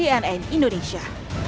tim liputan cnn indonesia